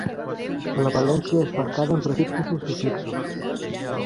La valència és marcada amb prefixos i sufixos.